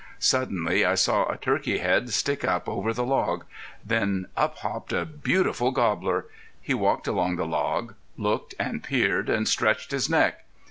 Suddenly I saw a turkey head stick up over the log. Then! up hopped a beautiful gobbler. He walked along the log, looked and peered, and stretched his neck.